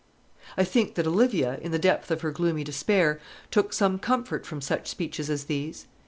I think that Olivia, in the depth of her gloomy despair, took some comfort from such speeches as these.